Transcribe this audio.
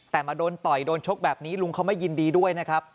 แต่มาโดนต่อยโดนชกแบบนี้ลุงเขาไม่ยินดีด้วยนะครับ